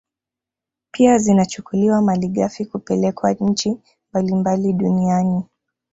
Pia zinachukuliwa malighafi kupelekwa nchi mbalimbali duniani